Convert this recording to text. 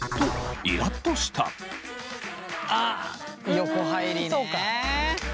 横入りね。